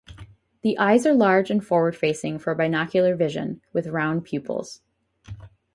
The eyes are large and forward facing for binocular vision, with round pupils.